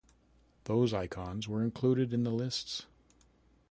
Those icons were included on the lists.